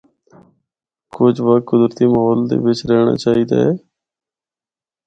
کجھ وقت قدرتی ماحول دے بچ رہنڑا چاہیے دا ہے۔